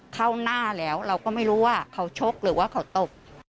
เข้าหน้าแล้วเราก็ไม่รู้ว่าเขาชกหรือว่าเขาตบ